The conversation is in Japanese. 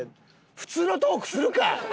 普通のトークするか！